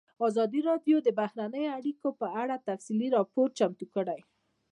ازادي راډیو د بهرنۍ اړیکې په اړه تفصیلي راپور چمتو کړی.